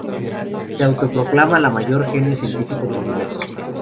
Se auto-proclama la mayor genio científico del universo.